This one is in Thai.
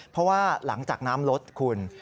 เพราะว่าหลังจากน้ำลดคุณ